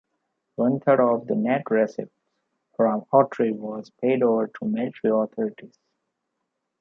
One-third of the net receipts from octroi was paid over to the military authorities.